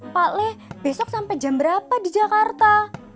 pak le besok sampai jam berapa di jakarta